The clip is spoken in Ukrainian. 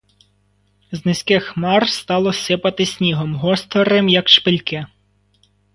З низьких хмар стало сипати снігом, гострим, як шпильки.